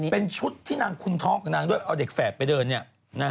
เป็นชุดที่นางคุ้นท้องกับนางด้วยเอาเด็กแฝดไปเดินเนี่ย